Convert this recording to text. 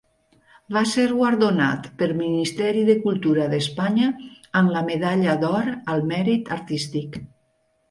Va ser guardonat pel Ministeri de Cultura d'Espanya amb la medalla d'or al mèrit artístic.